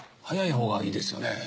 早いほうがいいですよね。